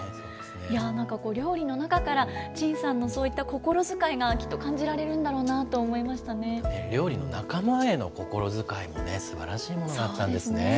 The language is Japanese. なんか、料理の中から、陳さんのそういった心遣いが、きっと感じられるんだろうなと思い料理の仲間への心遣いもすばらしいものだったんですね。